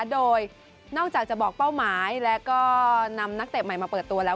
โดยนอกจากจะบอกเป้าหมายแล้วก็นำนักเตะใหม่มาเปิดตัวแล้ว